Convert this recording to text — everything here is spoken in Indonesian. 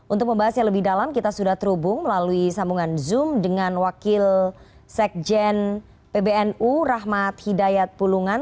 untuk membahasnya lebih dalam kita sudah terhubung melalui sambungan zoom dengan wakil sekjen pbnu rahmat hidayat pulungan